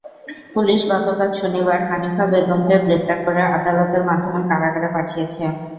Police গতকাল শনিবার হানিফা বেগমকে গ্রেপ্তার করে আদালতের মাধ্যমে কারাগারে পাঠিয়েছে।